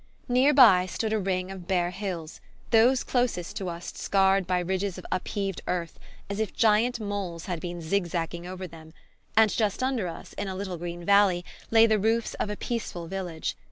Near by stood a ring of bare hills, those closest to us scarred by ridges of upheaved earth, as if giant moles had been zigzagging over them; and just under us, in a little green valley, lay the roofs of a peaceful village.